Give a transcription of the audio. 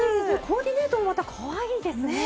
コーディネートもまたかわいいですね。